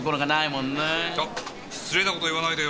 あっ失礼なこと言わないでよ！